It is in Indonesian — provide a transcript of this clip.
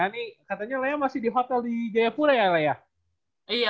katanya lea masih di hotel di jayapura ya lea